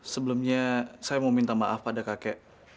sebelumnya saya mau minta maaf pada kakek